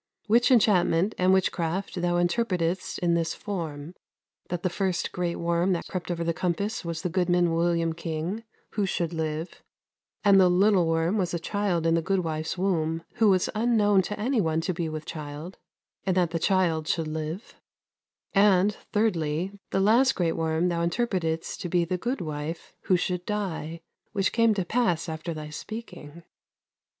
Which enchantment and witchcraft thou interpretedst in this form: that the first great worm that crept over the compass was the goodman William King, who should live; and the little worm was a child in the goodwife's womb, who was unknown to any one to be with child, and that the child should live; and, thirdly, the last great worm thou interpretedst to be the goodwife, who should die: which came to pass after thy speaking."